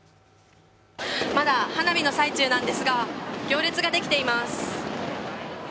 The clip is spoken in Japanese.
まだ花火の最中なんですが行列ができています。